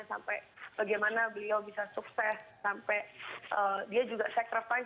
sampai bagaimana beliau bisa sukses sampai dia juga secrefy